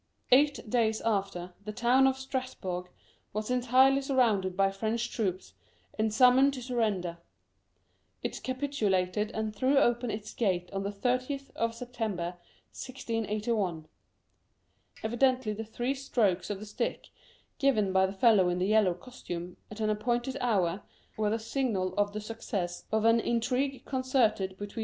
Eight days after, the town of Strasbourg was entirely sur rounded by French troops, and summoned to sur render: it capitulated and threw open its gates on the 30th of September 1681. Evidently the three strokes of the stick given by the fellow in yellow costume, at an appointed hour, were the signal of the success of an intrigue concerted between M.